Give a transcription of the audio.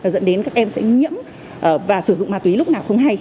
dẫn đến các em sẽ nhiễm và sử dụng ma túy lúc nào không hay